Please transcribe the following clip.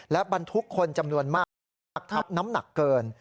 และบรรทุกคนจำนวนมากมากทับน้ำหนักเกิน